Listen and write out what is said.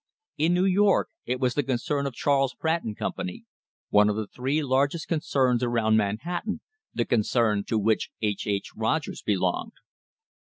In New York it was the concern of Charles Pratt and Company, one of the three largest concerns around Manhattan the concern to which H. H. Rogers belonged.